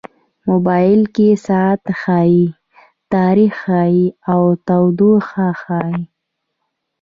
موبایل کې ساعت ښيي، تاریخ ښيي، او تودوخه ښيي.